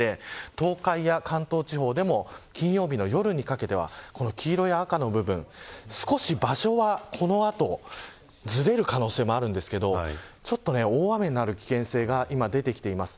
東海や関東地方でも金曜日の夜にかけてはこの黄色い、赤の部分場所は、この後ずれる可能性もありますが大雨になる危険性が出てきています。